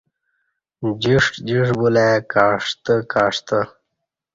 جݜٹ جݜٹ بُلہ ای کعݜتہ کعݜتہ